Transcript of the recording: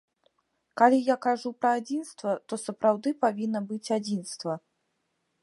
Калі я кажу пра адзінства, то сапраўды павінна быць адзінства.